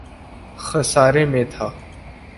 خسارے میں تھا